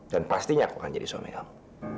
dan pastinya aku akan jadi suami kamu